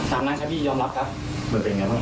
สำหรับผมขอสอบถามอย่างหนึ่งอีก